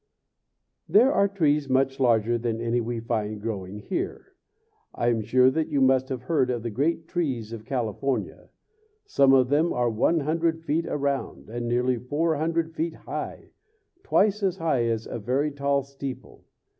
There are trees much larger than any we find growing here. I am sure you must have heard of the great trees of California. Some of them are one hundred feet around, and nearly four hundred feet high, twice as high as a very tall steeple.